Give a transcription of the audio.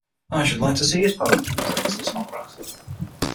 ‘I should like to see his poem,’ said Mr. Snodgrass.